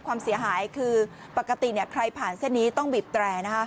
ความเสียหายคือปกติเนี้ยใครผ่านเส้นนี้ต้องบิบแตแตนะคะ